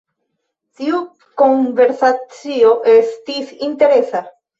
Tiu konversacio estis interesa.